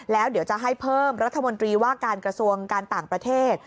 แล้วเดี๋ยวจะให้เพิ่มรัฐมนตรีว่าการกระทรวงการต่างประเทศ